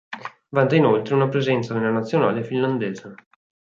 Vanta inoltre una presenza nella nazionale finlandese.